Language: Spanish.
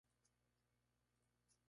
Fue Decano de la Facultad de Arquitectura.